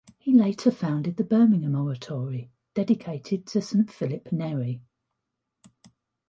He later founded the Birmingham Oratory, dedicated to Saint Philip Neri.